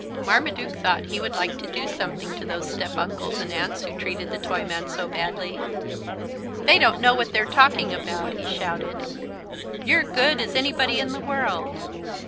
Marmaduke thought he would like to do something to those step uncles and aunts who treated the Toyman so badly. "They don't know what they're talking about," he shouted. "You're good as anybody in the world."